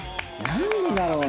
なんでだろう？